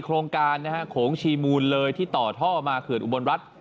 โครงการนะฮะโขงชีมูลเลยที่ต่อท่อมาเขื่อนอุบลรัฐ